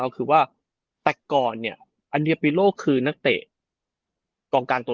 ก็คือว่าแต่ก่อนเนี่ยอันเดียปิโลคือนักเตะกองการตัว